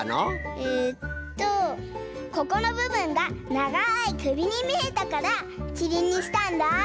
えっとここのぶぶんがながいくびにみえたからきりんにしたんだ。